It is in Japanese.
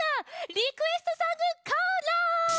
「リクエストソングコーナー」！